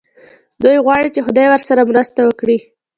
دی غواړي چې خدای ورسره مرسته وکړي.